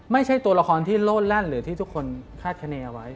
ไม่ใช่ตัวละครที่โลดแล่นหรือที่ทุกคนคาดคณีเอาไว้